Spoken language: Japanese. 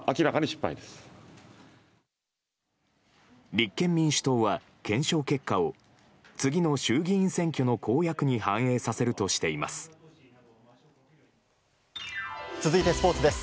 立憲民主党は検証結果を次の衆議院選挙の公約に反映させるとしています。